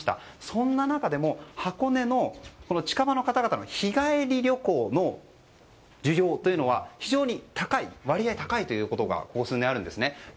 そんな中でも箱根の近場の方々の日帰り旅行の需要というのは非常に割合が高いことがあるんですね。